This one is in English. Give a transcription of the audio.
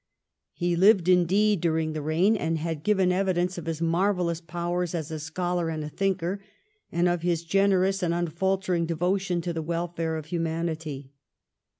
297 He lived, indeed, during the reign, and had given evidence of his marvellous powers as a scholar and a thinker, and of^ his generous and unfaltering devotion to the welfare of humanity.